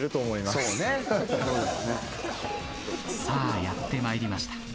さあやってまいりました。